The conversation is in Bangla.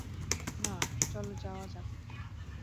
না, চলো যাওয়া যাক।